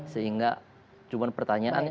sehingga cuma pertanyaannya